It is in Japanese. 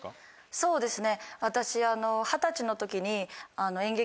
そうですね。